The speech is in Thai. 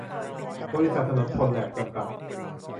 บริษัท ถนอมพลแลบ จำกัด